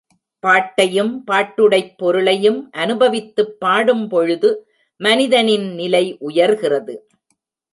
பாட்டையும் பாட்டுடைப் பொருளையும் அனுபவித்துப் பாடும்பொழுது மனிதனின் நிலை உயர் கிறது.